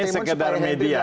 ini sekedar media